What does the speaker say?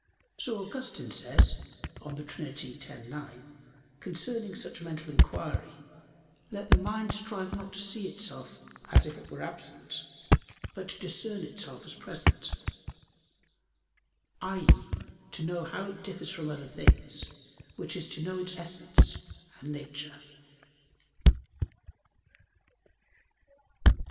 So Augustine says (De Trin. x, 9), concerning such mental inquiry: "Let the mind strive not to see itself as if it were absent, but to discern itself as present" i.e. to know how it differs from other things; which is to know its essence and nature.